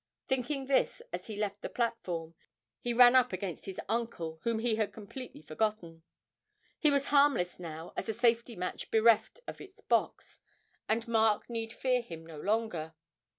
Thinking this as he left the platform, he ran up against his uncle, whom he had completely forgotten: he was harmless now as a safety match bereft of its box, and Mark need fear him no longer.